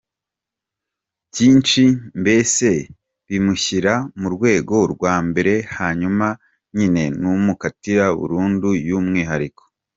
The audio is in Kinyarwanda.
Byinshiiiiii mbese bimushyira mu rwego rwa mbere hanyuma nyine tumukatira burundu y’umwihariko.